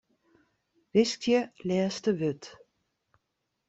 Wiskje lêste wurd.